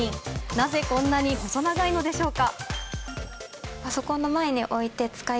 なぜこんなに細長いのでしょうか。